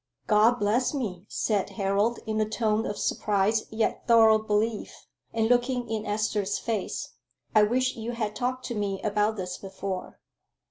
"God bless me!" said Harold, in a tone of surprised yet thorough belief, and looking in Esther's face. "I wish you had talked to me about this before."